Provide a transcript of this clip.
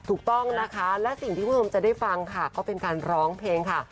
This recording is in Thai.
ถูกต้องนะคะและสิ่งที่คุณผู้ชมจะได้ฟังค่ะก็เป็นการร้องเพลงค่ะ